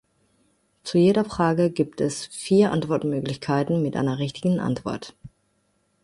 Zu jeder Frage gibt es vier Antwortmöglichkeiten mit einer richtigen Antwort.